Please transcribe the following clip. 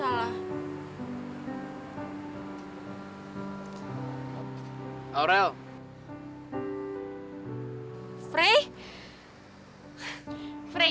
hal obras lebih military